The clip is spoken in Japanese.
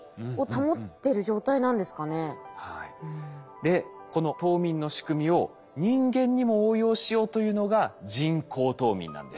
でこの冬眠の仕組みを人間にも応用しようというのが人工冬眠なんです。